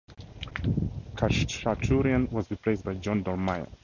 Khachaturian was replaced by John Dolmayan.